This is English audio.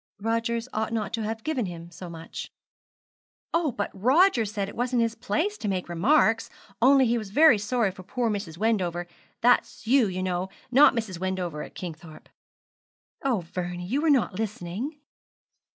'Rogers ought not to have given him so much.' 'Oh! but Rogers said it wasn't his place to make remarks, only he was very sorry for poor Mrs. Wendover that's you, you know not Mrs. Wendover at Kingthorpe.' 'Oh, Vernie, you were not listening?'